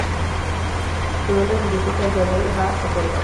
Su nombre significa "Yahveh Ha Recordado".